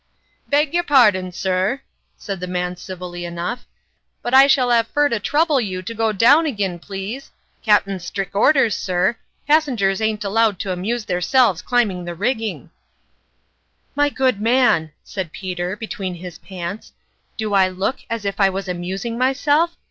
" Beg your pardon, sir," said the man, civilly enough, " but I shall 'ave fur to trouble you to go down agin, please. Capt'in's strick orders, sir. Passengers ain't allowed to amuse their selves climbing the rigging !" u My good man !" said Peter, between his pants, " do I look as if I was amusing myself